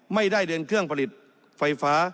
ไม่ได้เดินเครื่องผลิตไฟฟ้า